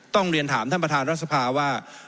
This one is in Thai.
ต้องเรียนถามท่านประธานรัฐสภาว่า